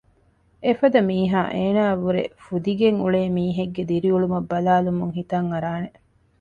އެފަދަ މީހާ އޭނާއަށްވުރެ ފުދިގެން އުޅޭ މީހެއްގެ ދިރިއުޅުމަށް ބަލާލުމުން ހިތަށް އަރާނެ